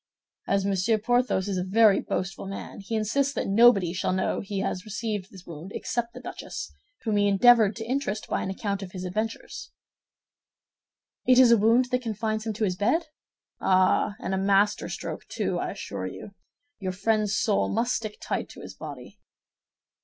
As Monsieur Porthos is a very boastful man, he insists that nobody shall know he has received this wound except the duchess, whom he endeavored to interest by an account of his adventure." "It is a wound that confines him to his bed?" "Ah, and a master stroke, too, I assure you. Your friend's soul must stick tight to his body."